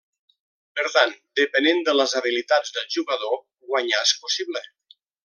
Per tant, depenent de les habilitats del jugador, guanyar és possible.